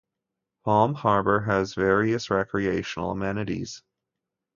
Palm Harbor has various recreational amenities.